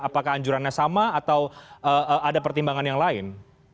apakah anjurannya sama atau ada pertimbangan yang lain